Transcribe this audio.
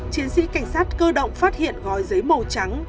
chiến sĩ cảnh sát cơ động phát hiện gói giấy màu trắng